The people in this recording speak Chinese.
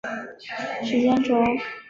历史轴。